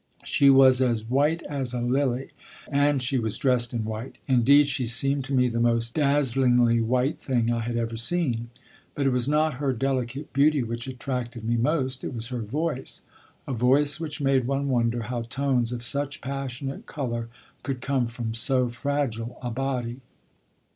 She was as white as a lily, and she was dressed in white. Indeed, she seemed to me the most dazzlingly white thing I had ever seen. But it was not her delicate beauty which attracted me most; it was her voice, a voice which made one wonder how tones of such passionate color could come from so fragile a body.